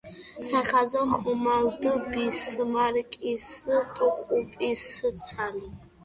სახაზო ხომალდ ბისმარკის ტყუპისცალი.